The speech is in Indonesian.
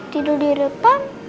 tidur di depan